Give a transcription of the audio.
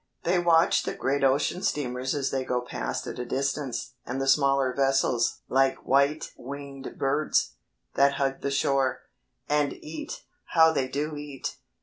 They watch the great ocean steamers as they go past at a distance, and the smaller vessels, like white winged birds, that hug the shore. And eat! How they do eat!